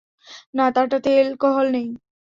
না, তারটাতে এলকোহল নেই।